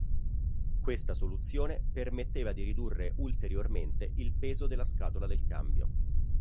Questa soluzione permetteva di ridurre ulteriormente il peso della scatola del cambio.